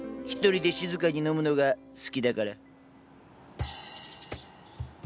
一人で静かに飲むのが好きだから。